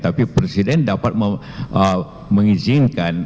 tapi presiden dapat mengizinkan